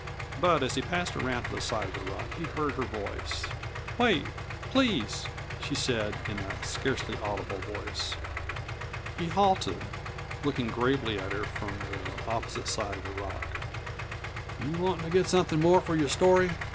But as he passed around to the side of the rock he heard her voice: "Wait, please," she said in a scarcely audible voice. He halted, looking gravely at her from the opposite side of the rock. "You wantin' to get somethin' more for your story?"